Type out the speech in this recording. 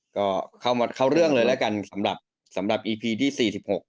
ก็เข้ามาเข้าเรื่องเลยแล้วกันสำหรับสำหรับอีพีที่สี่สิบหก